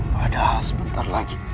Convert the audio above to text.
padahal sebentar lagi